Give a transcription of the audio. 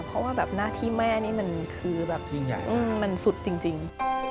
เพราะว่าแบบหน้าที่แม่นี่มันคือแบบยิ่งใหญ่มันสุดจริง